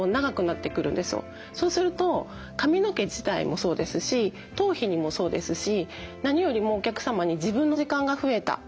そうすると髪の毛自体もそうですし頭皮にもそうですし何よりもお客様に自分の時間が増えたとか。